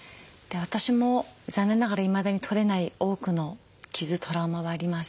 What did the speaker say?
私も残念ながらいまだに取れない多くの傷トラウマはあります。